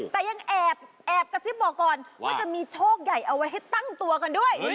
แต่ยังแอบกระซิบบอกก่อนว่าจะมีโชคใหญ่เอาไว้ให้ตั้งตัวกันด้วย